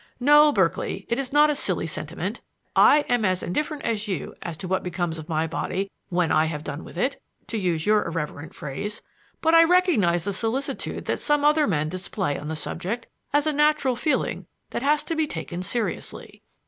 No, Berkeley, it is not a silly sentiment. I am as indifferent as you as to what becomes of my body 'when I have done with it,' to use your irreverent phrase; but I recognize the solicitude that some other men display on the subject as a natural feeling that has to be taken seriously."